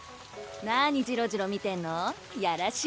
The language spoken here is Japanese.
何ジロジロ見てんの？やらし。